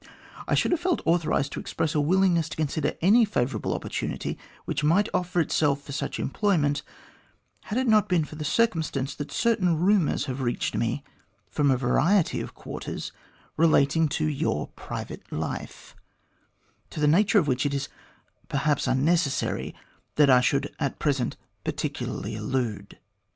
I should have felt authorised to express a willingness to consider any favourable opportunity which might offer itself for such employment, had it not been for the circumstance that certain rumours have reached me from a variety of quarters relating to your private life, to the nature of which it is perhaps unnecessary that I should at present particularly allude.